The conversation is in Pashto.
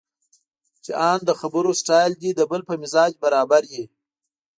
چې ان د خبرو سټایل دې د بل په مزاج برابر وي.